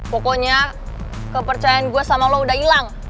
pokoknya kepercayaan gue sama lo udah hilang